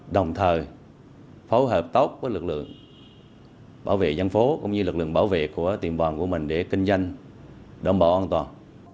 đồng thời phối hợp tốt với lực lượng bảo vệ dân phố cũng như lực lượng bảo vệ của tiệm vàng của mình để kinh doanh đảm bảo an toàn